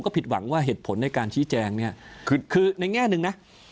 ก็สามารถหยิบแจง